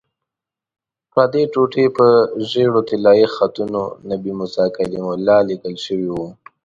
پردې ټوټې په ژېړو طلایي خطونو 'نبي موسی کلیم الله' لیکل شوي وو.